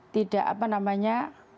tidak apa namanya